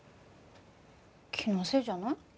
気のせいじゃない？